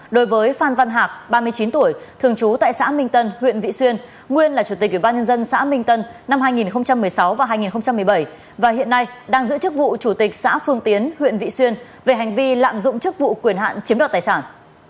đối với phan văn hạc ba mươi chín tuổi thường trú tại xã minh tân huyện vị xuyên nguyên là chủ tịch ủy ban nhân dân xã minh tân năm hai nghìn một mươi sáu và hai nghìn một mươi bảy và hiện nay đang giữ chức vụ chủ tịch xã phương tiến huyện vị xuyên về hành vi lạm dụng chức vụ quyền hạn chiếm đoạt tài sản